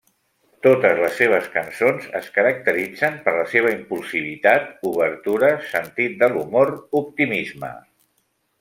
Totes les seves cançons es caracteritzen per la seva impulsivitat, obertura, sentit de l'humor, optimisme.